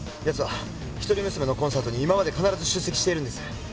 やつは一人娘のコンサートに今まで必ず出席しているんです。